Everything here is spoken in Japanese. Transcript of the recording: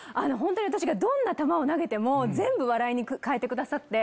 私がどんな球を投げても全部笑いに変えてくださって。